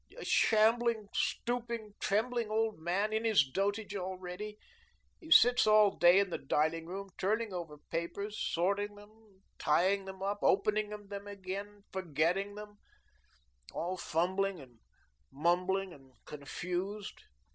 A shambling, stooping, trembling old man, in his dotage already. He sits all day in the dining room, turning over papers, sorting them, tying them up, opening them again, forgetting them all fumbling and mumbling and confused.